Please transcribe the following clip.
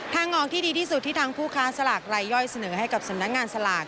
ทางออกที่ดีที่สุดที่ทางผู้ค้าสลากรายย่อยเสนอให้กับสำนักงานสลาก